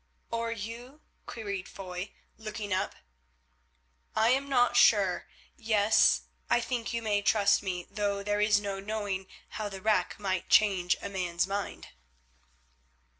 "Or you?" queried Foy, looking up. "I am not sure. Yes, I think you may trust me, though there is no knowing how the rack might change a man's mind."